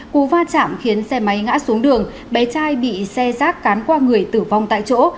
cú va chạm khiến xe máy ngã xuống đường bé trai bị xe rác cán qua người tử vong tại chỗ